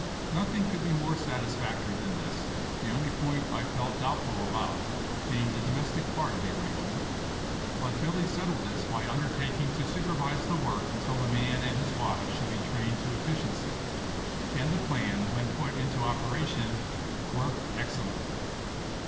Nothing could be more satisfactory than this, the only point I felt doubtful about being the domestic part of the arrangement; but Billy settled this by undertaking to supervise the work until the man and his wives should be trained to efficiency; and the plan, when put into operation, worked excellently.